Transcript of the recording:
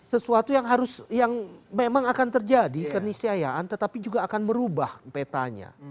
sesuatu yang harus yang memang akan terjadi kenisiayaan tetapi juga akan merubah petanya